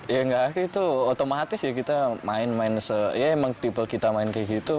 ya nggak itu otomatis ya kita main main ya emang tipe kita main kayak gitu